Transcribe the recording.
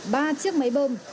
ba chiếc máy bơm